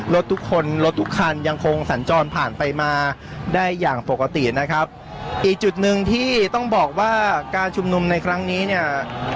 รถทุกคนรถทุกคันยังคงสัญจรผ่านไปมาได้อย่างปกตินะครับอีกจุดหนึ่งที่ต้องบอกว่าการชุมนุมในครั้งนี้เนี่ย